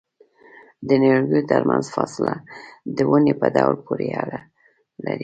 د نیالګیو ترمنځ فاصله د ونې په ډول پورې اړه لري؟